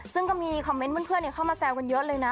ซึ่งก็มีคอมเมนต์เพื่อนเข้ามาแซวกันเยอะเลยนะ